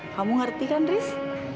kamu ngerti kan haris